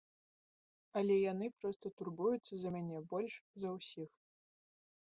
Але яны проста турбуюцца за мяне больш за ўсіх.